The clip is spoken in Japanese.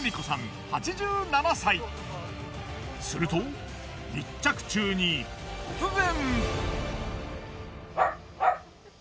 すると密着中に突然。